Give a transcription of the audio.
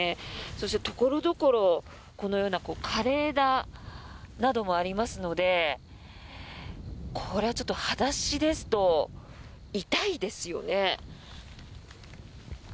そして所々、このような枯れ枝などもありますのでこれはちょっと裸足ですと痛いですよね。